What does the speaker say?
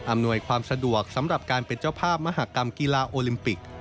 อำนวยความสะดวกสำหรับการเป็นเจ้าภาพมหากรรมกีฬาโอลิมปิก